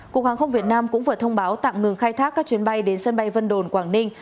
cục hàng không việt nam cũng vừa thông báo tạm ngừng khai thác các chuyến bay đến sân bay vân đồn quảng ninh